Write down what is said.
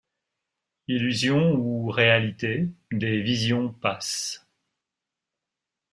Illusions ou réalités, des visions passent.